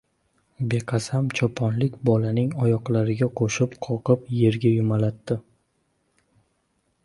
Beqasam choponlik, bolaning oyoqlariga qo‘shib, qoqib, yerga yumalatdi.